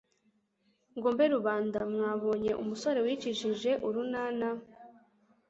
Ngo mbe rubanda, mwabonye umusore wicishije urunana?